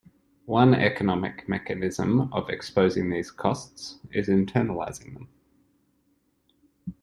One economic mechanism of exposing these costs is internalizing them.